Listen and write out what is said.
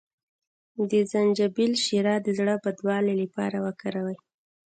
د زنجبیل شیره د زړه بدوالي لپاره وکاروئ